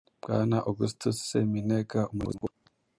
Bwana Augustus Seminega, Umuyobozi Mukuru